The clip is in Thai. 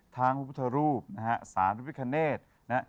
ทางพุทธรูปสารุพิธรณเหตุ